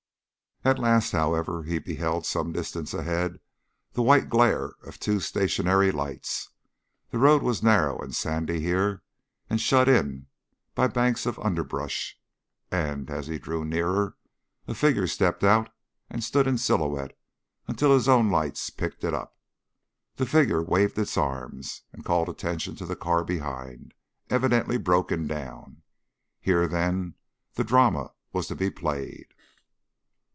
At last, however, he beheld some distance ahead the white glare of two stationary lights. The road was narrow and sandy here, and shut in by banks of underbrush; as he drew nearer a figure stepped out and stood in silhouette until his own lights picked it up. The figure waved its arms, and called attention to the car behind evidently broken down. Here, then, the drama was to be played.